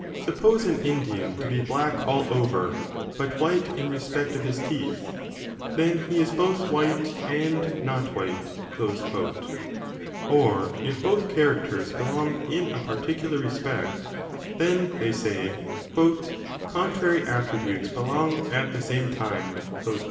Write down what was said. Suppose an Indian to be black all over, but white in respect of his teeth ; then he is both white and not white. Or if both characters belong in a particular respect, then, they say, contrary attributes belong at the same time